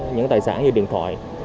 những tài sản như điện thoại